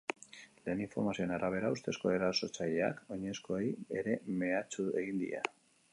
Lehen informazioen arabera, ustezko erasotzaileak oinezkoei ere mehatxu egin die.